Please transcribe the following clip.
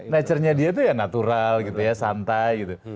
nature nya dia itu ya natural gitu ya santai gitu